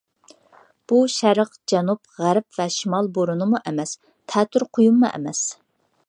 بۇ شەرق، جەنۇب، غەرب ۋە شىمال بورىنىمۇ ئەمەس، تەتۈر قۇيۇنمۇ ئەمەس.